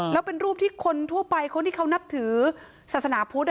แล้วเป็นรูปที่คนทั่วไปคนที่เขานับถือศาสนาพุทธ